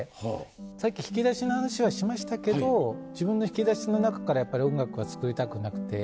さっき引き出しの話はしましたけど自分の引き出しの中からやっぱり音楽は作りたくなくて。